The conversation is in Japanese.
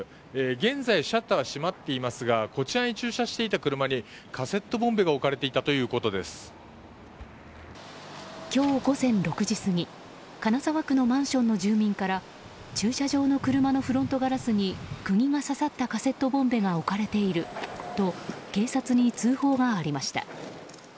現在シャッターは閉まっていますがこちらに駐車していた車にカセットボンベが今日午前６時過ぎ金沢区のマンションの住民から駐車場の車のフロントガラスに釘が刺さったカセットボンベが置かれていると警察に通報がありました。